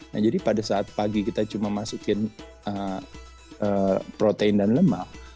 nah jadi pada saat pagi kita cuma masukin protein dan lemak